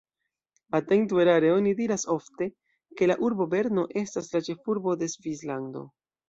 Atentu erare oni diras ofte, ke la urbo Berno estas la ĉefurbo de Svislando.